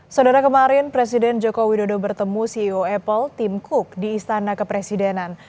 saudara kemarin presiden joko widodo bertemu ceo apple tim cook di istana kepresidenan